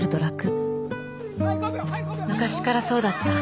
昔っからそうだった。